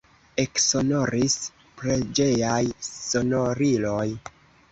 Eksonoris preĝejaj sonoriloj.